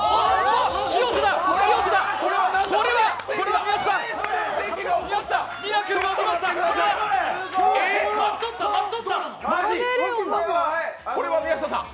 これは、これは宮下さん！